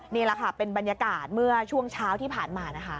นี่แหละค่ะเป็นบรรยากาศเมื่อช่วงเช้าที่ผ่านมานะคะ